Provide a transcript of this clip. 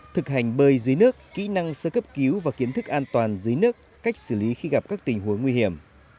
thực hành bơi dưới nước kỹ năng sơ cấp cứu và kiến thức an toàn dưới nước cách xử lý khi gặp các tình huống nguy hiểm